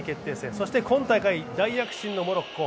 そして今大会大躍進のモロッコ。